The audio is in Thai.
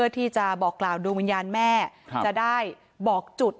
ทั้งลูกสาวลูกชายก็ไปทำพิธีจุดทูป